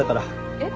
えっ？